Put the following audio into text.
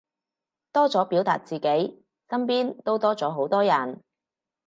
多咗表達自己，身邊都多咗好多人